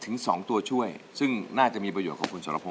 ถึง๒ตัวช่วยซึ่งน่าจะมีประโยชนของคุณสรพง